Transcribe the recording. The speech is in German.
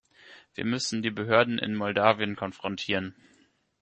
Wir müssen die Behörden in Moldawien konfrontieren.